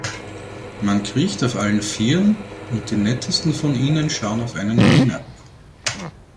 Man kriecht auf allen Vieren, und die nettesten von ihnen schauen auf einen hinab.